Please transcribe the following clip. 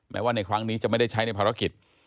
ว่าในครั้งนี้จะไม่ได้ใช้ในภารกิจ